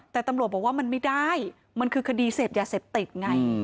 แต่ตำรวจบอกว่ามันไม่ได้มันคือคดีเสพยาเสพติดไง